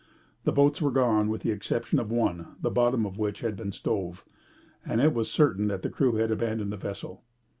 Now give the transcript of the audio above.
The boats were gone, with the exception of one, the bottom of which had been stove, and it was certain that the crew had abandoned the vessel.